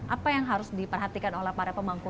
apa yang harus diperhatikan oleh para pemangku